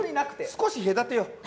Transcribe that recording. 少し隔てよう。